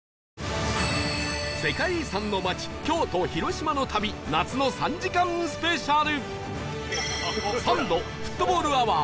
世界遺産の町京都・広島の旅夏の３時間スペシャル